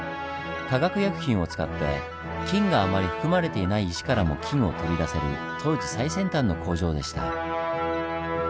化学薬品を使って金があまり含まれていない石からも金を取り出せる当時最先端の工場でした。